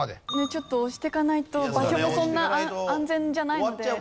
ちょっと押していかないと場所もそんな安全じゃないので。